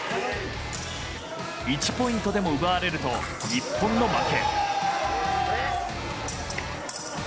１ポイントでも奪われると日本の負け。